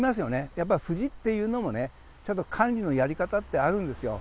やっぱり藤っていうのもね、ちゃんと管理のやり方ってあるんですよ。